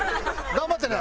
頑張ってね！